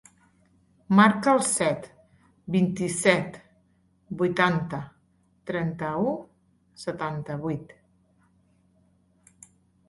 Marca el set, vint-i-set, vuitanta, trenta-u, setanta-vuit.